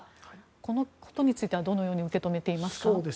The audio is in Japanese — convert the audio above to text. このことについてはどのように受け止めていますか？